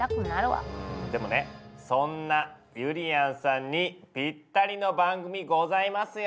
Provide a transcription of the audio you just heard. でもねそんなゆりやんさんにぴったりの番組ございますよ。